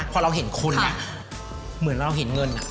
เพราะเราเห็นคนอ่ะเหมือนว่าเราเห็นเงินอ่ะ